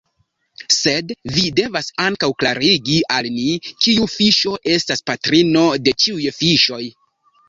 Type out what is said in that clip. Sed vi devas ankaŭ klarigi al ni: kiu fiŝo estas patrino de ĉiuj fiŝoj?